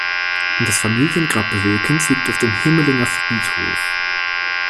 Das Familiengrab Wilkens liegt auf dem Hemelinger Friedhof.